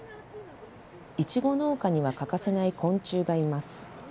いちご農家には欠かせない昆虫がいます。